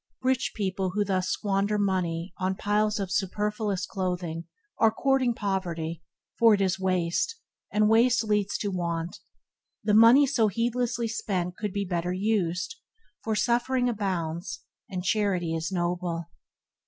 Rich people who thus squander money on piles of superfluous clothing, are courting poverty, for it is waste, and waste leads to want. The money so heedlessly spent could be better used, for suffering abounds and charity is noble.